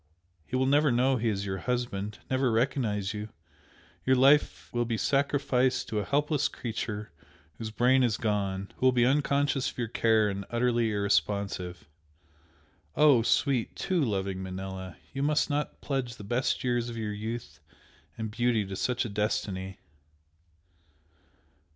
He will never know he is your husband never recognise you, your life will be sacrificed to a helpless creature whose brain is gone who will be unconscious of your care and utterly irresponsive. Oh, sweet, TOO loving Manella! you must not pledge the best years of your youth and beauty to such a destiny!"